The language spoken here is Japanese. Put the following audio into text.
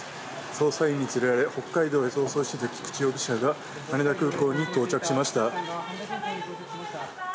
捜査員に連れられ北海道へ逃走していた菊池容疑者が羽田空港に到着しました。